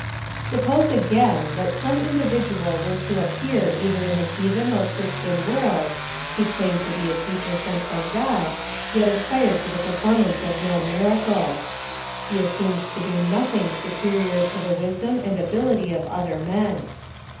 Suppose again, that some individual were to ap pear either in the heathen or Christian world — he claimed to be a teacher sent from God, yet aspired to the performance of no miracles. He assumed to do nothing superior to the wisdom and ability of other men.